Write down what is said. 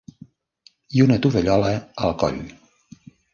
I una tovallola al coll.